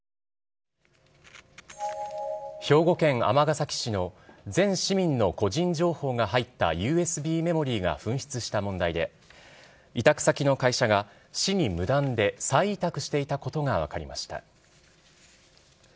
兵庫県尼崎市の全市民の個人情報が入ったＵＳＢメモリーが紛失した問題で、委託先の会社が、市に無断で再委託していたことが分かりました。